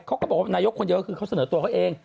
เขาก็บอกว่านายกคนเยอะก็คือเขาเสนอตัวเขาเอง